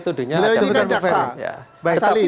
tetapi kemudian saya interupsi